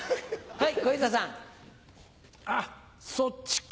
はい。